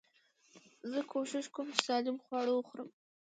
زه کوشش کوم، چي سالم خواړه وخورم.